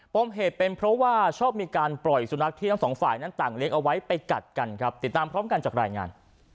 มเหตุเป็นเพราะว่าชอบมีการปล่อยสุนัขที่ทั้งสองฝ่ายนั้นต่างเลี้ยงเอาไว้ไปกัดกันครับติดตามพร้อมกันจากรายงาน